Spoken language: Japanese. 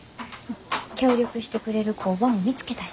協力してくれる工場も見つけたし。